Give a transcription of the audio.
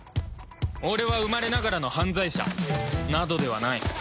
俺は生まれながらの犯罪者などではない